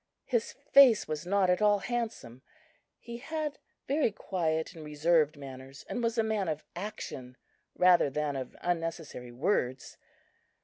His face was not at all handsome. He had very quiet and reserved manners and was a man of action rather than of unnecessary words.